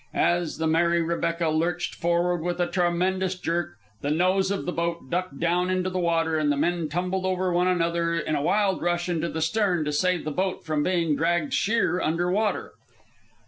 As the Mary Rebecca lurched forward with a tremendous jerk, the nose of the boat ducked down into the water, and the men tumbled over one another in a wild rush into the stern to save the boat from being dragged sheer under water.